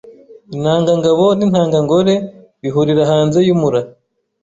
intanga ngabo n’intanga ngore bihurira hanze y’umura